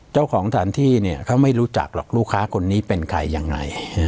สถานที่เนี่ยเขาไม่รู้จักหรอกลูกค้าคนนี้เป็นใครยังไง